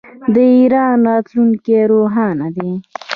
د ایران راتلونکی روښانه دی.